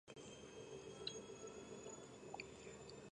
ეს რომ გაიგო, ევლალია ღამით ფარულად გავიდა სახლიდან და დილით უკვე ქალაქში იყო.